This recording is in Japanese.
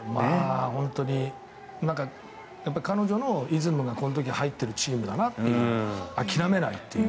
本当に彼女のイズムがこの時は入っているチームだなと諦めないという。